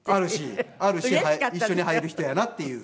あるし一緒に入る人やなっていう。